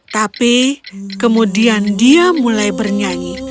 tapi kemudian dia mulai bernyanyi